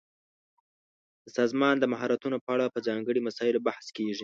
د سازمان د مهارتونو په اړه په ځانګړي مسایلو بحث کیږي.